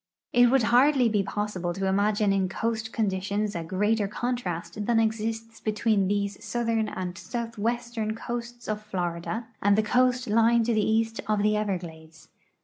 It would hardly be possible to imagine in coast conditions a greater contrast than exists between these southern and south western coasts of Florida and the coast l}dng to the east of the Everglades.